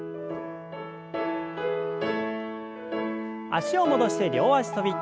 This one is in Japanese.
脚を戻して両脚跳び。